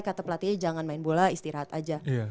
kata pelatihnya jangan main bola istirahat aja